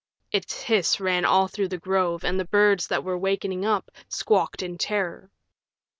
Its hiss ran all through the grove and the birds that were wakening up squawked in terror.